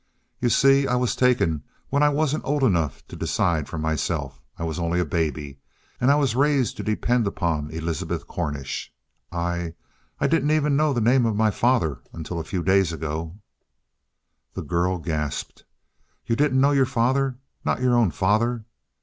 "You see, I was taken when I wasn't old enough to decide for myself. I was only a baby. And I was raised to depend upon Elizabeth Cornish. I I didn't even know the name of my father until a few days ago." The girl gasped. "You didn't know your father not your own father?"